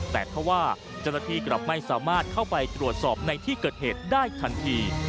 แต่ถ้าว่าจรภิกรรมไม่สามารถเข้าไปตรวจสอบในที่เกิดเหตุได้ทันที